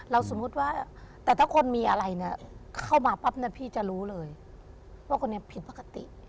สมมุติว่าแต่ถ้าคนมีอะไรเนี่ยเข้ามาปั๊บเนี่ยพี่จะรู้เลยว่าคนนี้ผิดปกติ